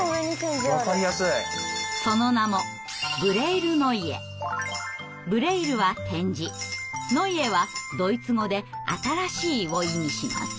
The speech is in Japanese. その名もブレイルは点字ノイエはドイツ語で新しいを意味します。